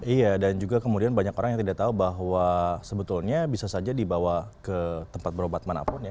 iya dan juga kemudian banyak orang yang tidak tahu bahwa sebetulnya bisa saja dibawa ke tempat berobat manapun ya